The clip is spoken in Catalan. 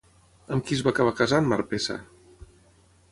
Amb qui es va acabar casant Marpessa?